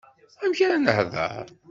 Amek ara nehdeṛ?